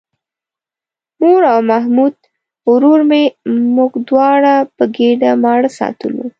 مور او محمود ورور مې موږ دواړه په ګېډه ماړه ساتلو.